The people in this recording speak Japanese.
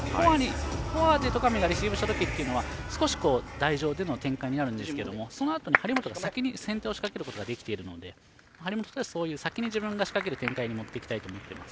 フォアで戸上がレシーブした時というのは少し台上での展開になるんですがそのあとに張本が先手を仕掛けることができているので張本としては先に自分が仕掛ける展開に持っていきたいと思っています。